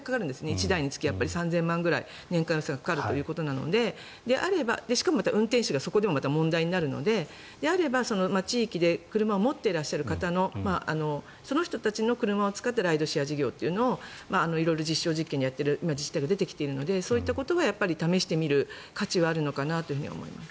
１台につき３０００万円ぐらい年間にかかるということなのでしかも、また運転手がそこでもまた問題になるのでであれば地域で車を持っている方のその人たちの車を使ったライドシェア事業というのを色々実証実験でやっている自治体が出てきているのでそういったことは試してみる価値はあるのかなと思います。